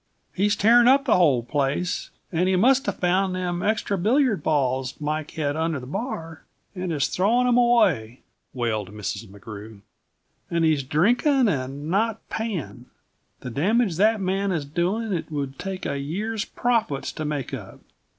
"He's tearing up the whole place, and he musta found all them extra billiard balls Mike had under the bar, and is throwin' 'em away," wailed Mrs. McGrew, "and he's drinkin' and not payin'. The damage that man is doin' it would take a year's profits to make up.